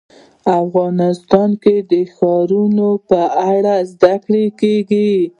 افغانستان کې د ښارونو په اړه زده کړه کېږي.